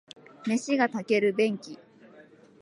飯が炊ける便器